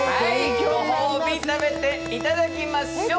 今日も食べていただきましょう。